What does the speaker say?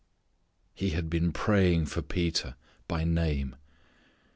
_He had been praying for Peter by name!